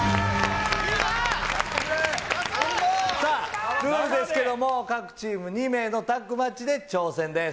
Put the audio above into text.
さあ、ルールですけれども、各チーム２名のタッグマッチで挑戦です。